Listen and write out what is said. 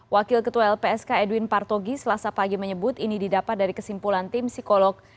wakil ketua lpsk edwin partogi selasa pagi menyebut ini didapat dari kesimpulan tim psikolog